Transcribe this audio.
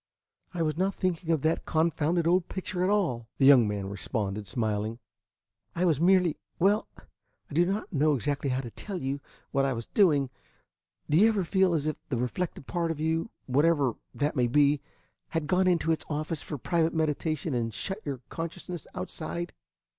"I was not thinking of that confounded old picture at all," the young man responded, smiling. "I was merely well, I do not know exactly how to tell you what I was doing. Do you ever feel as if the reflective part of you, whatever that may be, had gone into its office for private meditation and shut your consciousness outside?"